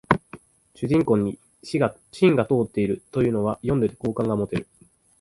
主人公に芯が通ってるというのは読んでて好感が持てる